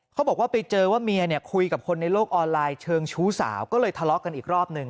เขาบอกว่าไปเจอว่าเมียเนี่ยคุยกับคนในโลกออนไลน์เชิงชู้สาวก็เลยทะเลาะกันอีกรอบหนึ่ง